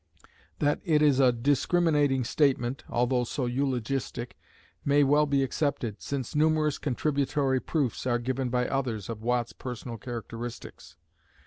That it is a discriminating statement, altho so eulogistic, may well be accepted, since numerous contributory proofs are given by others of Watt's personal characteristics.